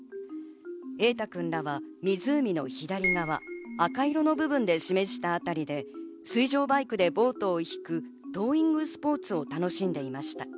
瑛大君らは湖の左側、赤色の部分で示したあたりで、水上バイクでボートを引くトーイングスポーツを楽しんでいました。